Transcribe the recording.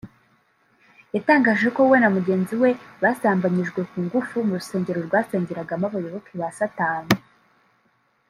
yatangaje ko we na mugenzi basambanyijwe ku ngufu mu rusengero rwasengeragamo abayoboke ba Satani